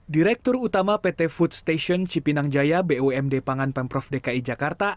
direktur utama pt food station cipinang jaya bumd pangan pemprov dki jakarta